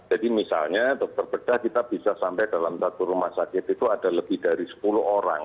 jadi misalnya dokter bedah kita bisa sampai dalam satu rumah sakit itu ada lebih dari sepuluh orang